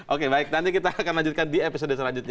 oke baik nanti kita akan lanjutkan di episode selanjutnya